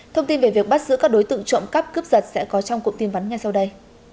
thông tin về việc bắt giữ các đối tượng trộm cắp cướp giật sẽ có trong cụm tin vắn ngay sau đây